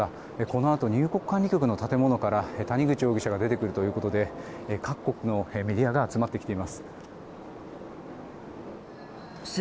このあと入国管理局の建物から谷口容疑者が出てくるということで各国のメディアが集まってきています。